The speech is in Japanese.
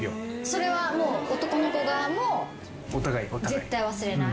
それはもう男の子側も絶対忘れない？